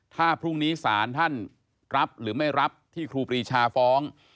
ถ้าพรุ่งนี้ศาลท่านรับหรือไม่รับที่ครูปรีชาฟ้อง